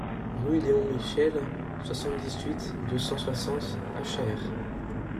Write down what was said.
Rue Léon Michel, soixante-dix-huit, deux cent soixante Achères